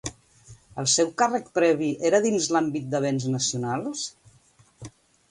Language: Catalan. El seu càrrec previ era dins l'àmbit de Béns Nacionals?